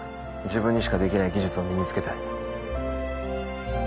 自分にしかできない技術を身につけたい。